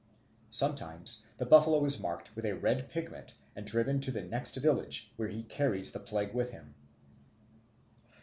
Sometimes the buffalo is marked with a red pigment and driven to the next village, where he carries the plague with him.